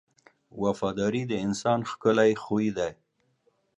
• وفاداري د انسان ښکلی خوی دی.